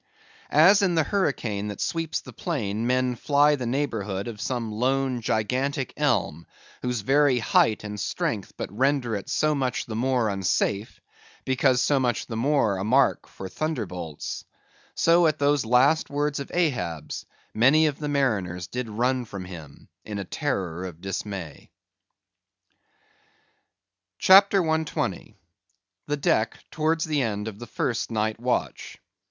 As in the hurricane that sweeps the plain, men fly the neighborhood of some lone, gigantic elm, whose very height and strength but render it so much the more unsafe, because so much the more a mark for thunderbolts; so at those last words of Ahab's many of the mariners did run from him in a terror of dismay. CHAPTER 120. The Deck Towards the End of the First Night Watch.